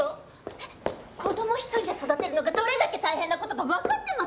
えっ子供１人で育てるのがどれだけ大変なことかわかってます？